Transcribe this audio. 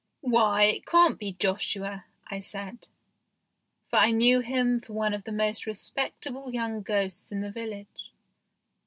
" Why, it can't be Joshua !" I said, for I knew him for one of the most respectable young ghosts in the village.